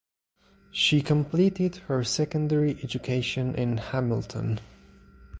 She completed her secondary education in Hamilton.